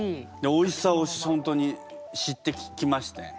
おいしさを本当に知ってきましたよ。